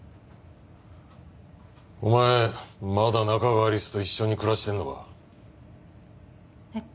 お前まだ仲川有栖と一緒に暮らしてるのかえっ？